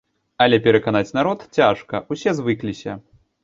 Але пераканаць народ цяжка, усе звыкліся.